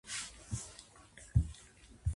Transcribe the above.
田中洸希かっこいい